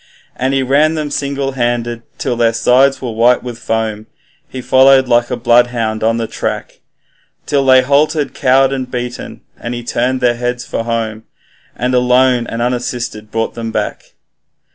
And he ran them single handed till their sides were white with foam. He followed like a bloodhound on their track, Till they halted cowed and beaten, then he turned their heads for home, And alone and unassisted brought them back.